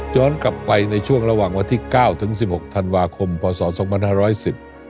จ้อนกลับไปในช่วงระหว่างวันที่๙ถึง๑๖ธันวาคมพศ๒๕๑๐